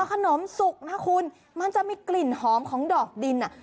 ขนมสุกนะคุณมันจะมีกลิ่นหอมของดอกดินอ่ะ